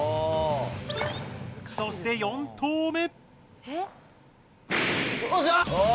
そして、４投目。